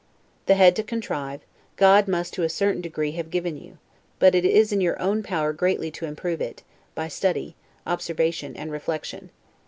The head to contrive, God must to a certain degree have given you; but it is in your own power greatly to improve it, by study, observation, and reflection.